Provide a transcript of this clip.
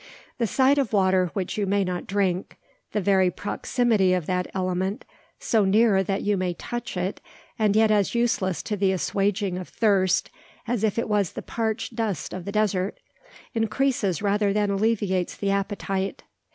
The sight of water which you may not drink, the very proximity of that element, so near that you may touch it, and yet as useless to the assuaging of thirst as if it was the parched dust of the desert, increases rather than alleviates the appetite.